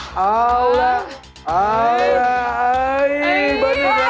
เป็นเชิ่ร์ลิบดิ้งครับ